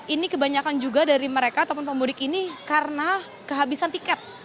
ini kebanyakan juga dari mereka ataupun pemudik ini karena kehabisan tiket